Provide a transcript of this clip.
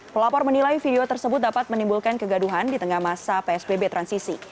pelapor menilai video tersebut dapat menimbulkan kegaduhan di tengah masa psbb transisi